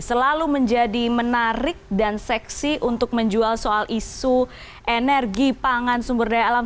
selalu menjadi menarik dan seksi untuk menjual soal isu energi pangan sumber daya alam